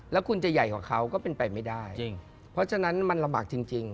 แล้วคุณจะใหญ่กว่าเขาก็เป็นไปไม่ได้จริงเพราะฉะนั้นมันลำบากจริง